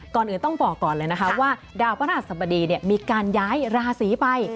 ก่อนอื่นต้องบอกก่อนเลยนะคะว่าดาวพระราชสบดีมีการย้ายราศีไป